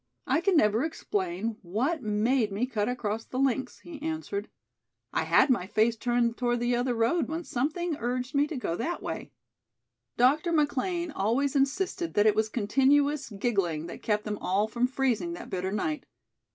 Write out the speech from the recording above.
"I can never explain what made me cut across the links," he answered. "I had my face turned toward the other road when something urged me to go that way." Dr. McLean always insisted that it was continuous giggling that kept them all from freezing that bitter night.